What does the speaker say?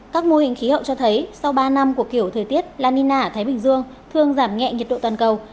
các mô hình khí hậu cho thấy sau ba năm của kiểu thời tiết la nina ở thái bình dương thường giảm nhẹ nhiệt độ toàn cầu